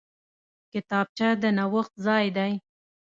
کتابچه د نوښت ځای دی